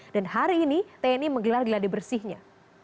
dan hari ini tni menggelar gelade bersihnya